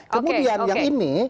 kemudian yang ini